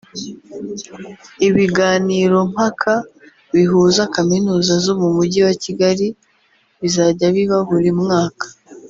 Ibiganirompaka bihuza kaminuza zo mu mujyi wa Kigali bizajya biba buri mwaka